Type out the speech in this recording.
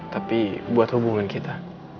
tapi buat hubungan kita